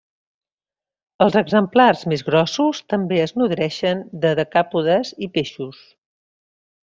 Els exemplars més grossos també es nodreixen de decàpodes i peixos.